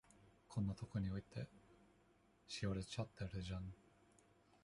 こんなとこに置いて、しおれちゃってるじゃん。